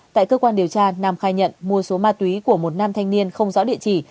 tại cơ quan điều tra nam khai nhận mua số ma túy của một nam thanh niên không rõ địa chỉ